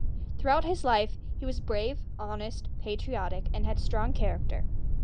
Throughout his life he was brave, honest, patriotic and had a strong character.